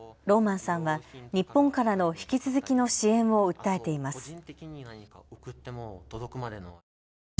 ローマンさんは日本からの引き続きの支援を訴えています。